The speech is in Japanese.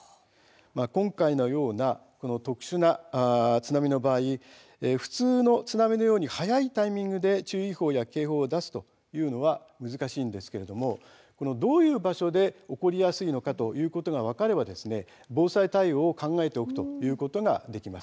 今回のような特殊な津波の場合普通の津波のように早いタイミングで注意報や警報を出すというのは難しいんですけれどもどういう場所で起こりやすいのかが分かれば防災対応を考えておくことができます。